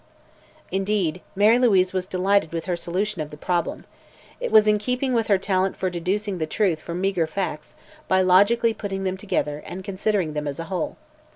Indeed, Mary Louise was delighted with her solution of the problem. It was in keeping with her talent for deducing the truth from meagre facts by logically putting them together and considering them as a whole.